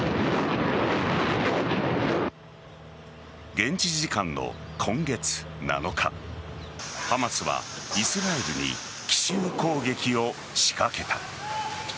現地時間の今月７日ハマスはイスラエルに奇襲攻撃を仕掛けた。